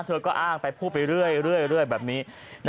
เธอก็อ้างไปพูดไปเรื่อยแบบนี้